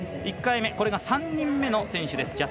１回目、３人目の選手です